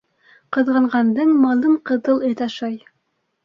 Ҡыҙғанғандың малын ҡыҙыл эт ашай.